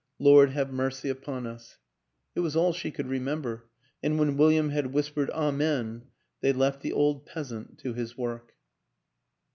..."" Lord have mercy upon us! " It was all she could remember ; and when Wil liam had whispered Amen they left the old peas ant to his work.